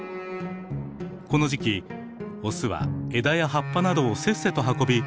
この時期オスは枝や葉っぱなどをせっせと運び